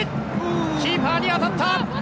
キーパーに当たった！